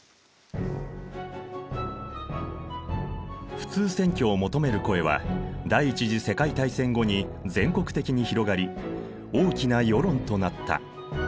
普通選挙を求める声は第一次世界大戦後に全国的に広がり大きな世論となった。